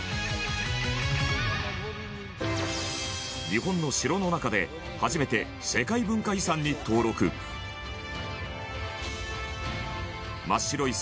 日本の城の中で初めて世界文化遺産に登録真っ白い